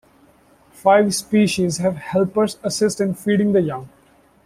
Five species have helpers assist in feeding the young.